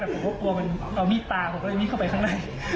จากฉันเปล่าก็มีปลามีตเข้าไปข้างน้าย